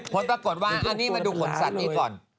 ผลปรากฏว่าอันนี้มาดูขนสัตว์นี้ก่อน